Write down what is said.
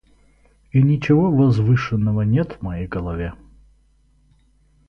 И ничего возвышенного нет в моей голове.